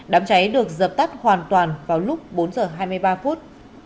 đám cháy được dập tắt hoàn toàn vào lúc bốn giờ hai mươi ba phút